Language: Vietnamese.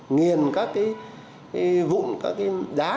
nghiền các cái vụn các cái đá